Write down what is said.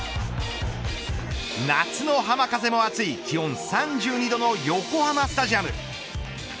夏の浜風も熱い気温３２度の横浜スタジアム。